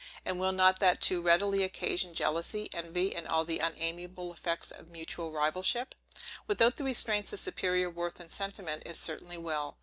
And will not that too readily occasion jealousy, envy, and all the unamiable effects of mutual rivalship? Without the restraints of superior worth and sentiment, it certainly will.